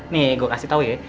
nih gue kasih tau ya